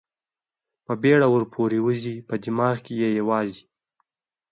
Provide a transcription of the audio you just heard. په بېړه ور پورې ووځي، په دماغ کې یې یوازې.